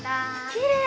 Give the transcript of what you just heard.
◆きれい。